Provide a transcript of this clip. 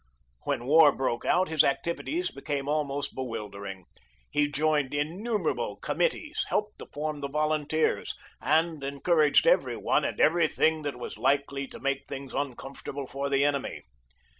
When war broke out his activities became almost bewildering. He joined innumerable committees, helped to form the volunteers, and encouraged every one and everything that was likely to make things uncomfortable for the enemy.